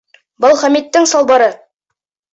Был Хәмиттең салбары!